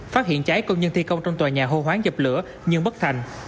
phát hiện cháy công nhân thi công trong tòa nhà hô hoáng dập lửa nhưng bất thành